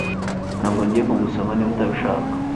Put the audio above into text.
Ntabwo ngiye kugusoma niba utabishaka